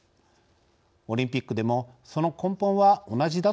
オリンピックでもその根本は同じだと思います。